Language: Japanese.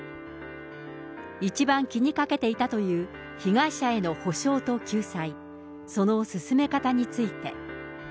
一番気にかけていたという、被害者への補償と救済、その進め方について。